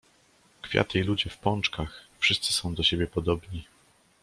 "Kwiaty i ludzie w pączkach wszyscy są do siebie podobni."